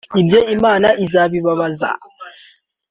ibyo Imana izabibabaza